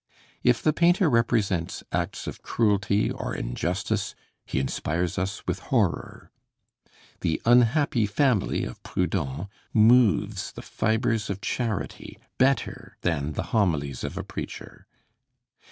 If the painter represents acts of cruelty or injustice, he inspires us with horror. The 'Unhappy Family' of Proudhon moves the fibres of charity better than the homilies of a preacher....